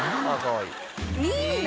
いいな。